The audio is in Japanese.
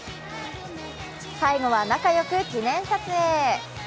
最後は仲良く記念撮影。